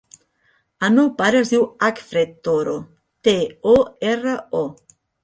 El meu pare es diu Acfred Toro: te, o, erra, o.